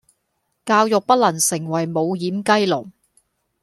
教育不能成為無掩雞籠